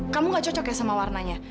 kamu gak cocok ya sama warnanya